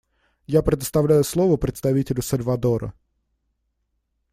Я предоставляю слово представителю Сальвадора.